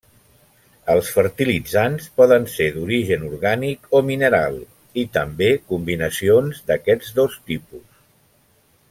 Els fertilitzants poden ser d'origen orgànic o mineral, i també combinacions d'aquests dos tipus.